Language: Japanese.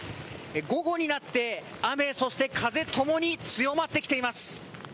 午後になって雨、そして風ともに強まってきています。